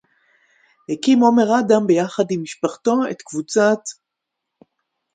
הקים עומר אדם ביחד עם משפחתו את קבוצת